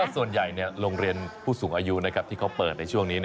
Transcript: ส่วนใหญ่โรงเรียนผู้สูงอายุที่เขาเปิดในช่วงนี้